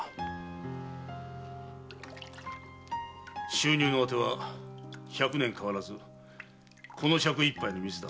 収入の当ては百年変わらずこの杓一杯の水だ。